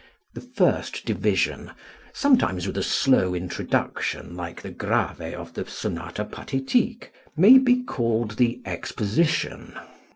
The first division (sometimes with a slow introduction like the Grave of the "Sonata Pathétique") may be called the exposition.